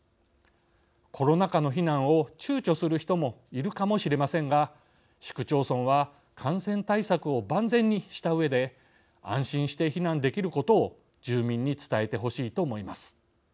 コロナ禍の避難をちゅうちょする人もいるかもしれませんが市区町村は感染対策を万全にしたうえで安心して避難できることを住民に伝えてほしいと思います。